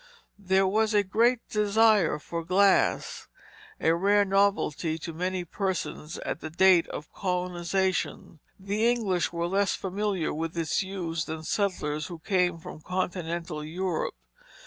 There was a great desire for glass, a rare novelty to many persons at the date of colonization. The English were less familiar with its use than settlers who came from Continental Europe.